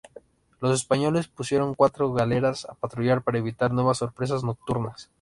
Los españoles pusieron cuatro galeras a patrullar para evitar nuevas sorpresas nocturnas.